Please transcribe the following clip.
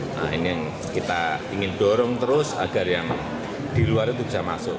nah ini yang kita ingin dorong terus agar yang di luar itu bisa masuk